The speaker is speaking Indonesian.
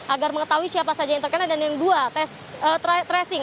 agar mengetahui siapa saja yang terkena dan yang kedua testing